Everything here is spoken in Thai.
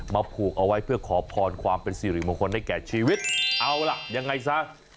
ผูกเอาไว้เพื่อขอพรความเป็นสิริมงคลให้แก่ชีวิตเอาล่ะยังไงซะ